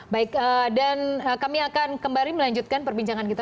baik dan kami akan kembali melanjutkan perbincangan kita